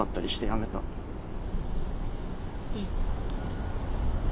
うん。